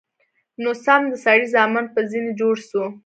نو سم د سړي زامن به ځنې جوړ سو.